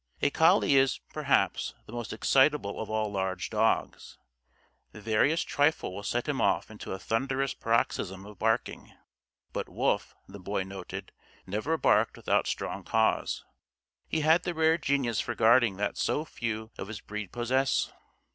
A collie is, perhaps, the most excitable of all large dogs. The veriest trifle will set him off into a thunderous paroxysm of barking. But Wolf, the Boy noted, never barked without strong cause. He had the rare genius for guarding that so few of his breed possess.